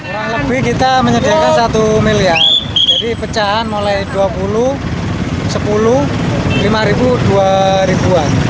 rp satu miliar jadi pecahan mulai rp dua puluh rp sepuluh rp lima rp dua